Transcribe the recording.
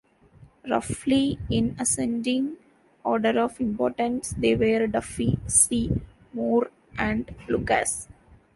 Roughly in ascending order of importance they were Duffy, Shee, Moore and Lucas.